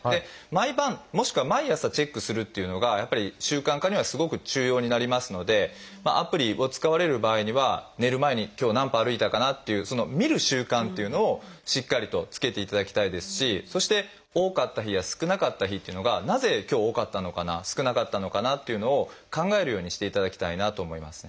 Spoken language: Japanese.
毎晩もしくは毎朝チェックするっていうのがやっぱり習慣化にはすごく重要になりますのでアプリを使われる場合には寝る前に今日何歩歩いたかなっていうその見る習慣っていうのをしっかりとつけていただきたいですしそして多かった日や少なかった日っていうのがなぜ今日多かったのかな少なかったのかなっていうのを考えるようにしていただきたいなと思います。